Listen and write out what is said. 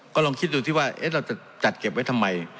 ก็ลองคิดดูที่ว่าเราจะจัดเก็บไว้ทำไม